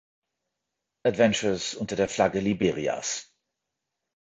Adventures unter der Flagge Liberias.